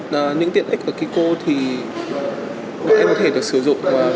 là những tiện ích ở kiko thì bọn em có thể được sử dụng